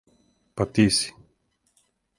Па ти си.